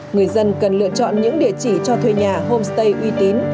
người dân cần lựa chọn những địa chỉ cho thuê nhà homestay uy tín